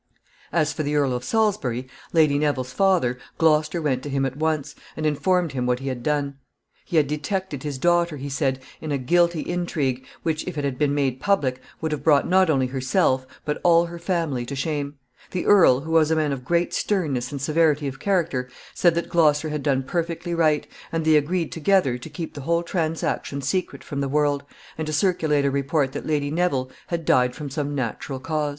As for the Earl of Salisbury, Lady Neville's father, Gloucester went to him at once, and informed him what he had done. He had detected his daughter, he said, in a guilty intrigue, which, if it had been made public, would have brought not only herself, but all her family, to shame. The earl, who was a man of great sternness and severity of character, said that Gloucester had done perfectly right, and they agreed together to keep the whole transaction secret from the world, and to circulate a report that Lady Neville had died from some natural cause.